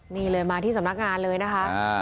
นี่เลยมาที่สำนักงานเลยนะคะ